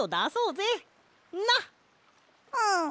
うん。